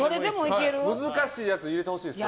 難しいやついってほしいです。